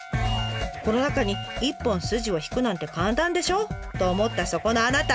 この中に１本スジを引くなんて簡単でしょ？と思ったそこのあなた！